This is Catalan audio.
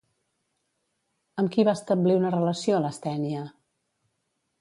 Amb qui va establir una relació Lastènia?